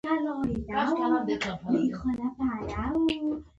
خلک ورته وايي ملا ورشه جوماتونو ته